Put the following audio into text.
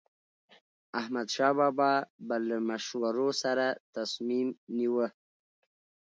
احمدشاه بابا به له مشورو سره تصمیم نیوه.